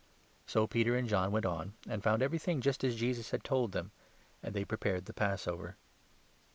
So Peter and John went on, and found everything just as Jesus 13 had told them, and they prepared the Passover.